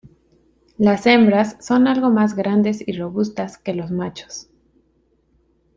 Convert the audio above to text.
Las hembras son algo más grandes y robustas que los machos.